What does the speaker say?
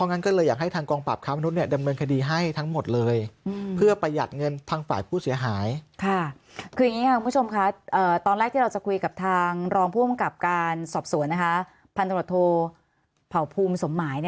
มีผลปลูกไม่สมหมาย